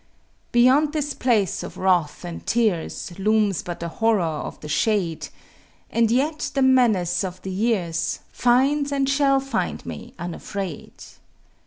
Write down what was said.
Beyond this place of wrath and tears Looms but the Horror of the shade, And yet the menace of the years Finds and shall find me unafraid.